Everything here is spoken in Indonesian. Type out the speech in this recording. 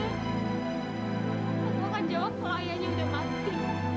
aku gak akan jawab kalau ayahnya udah mati